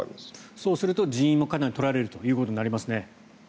そうすると人員もかなり取られるということになりますね。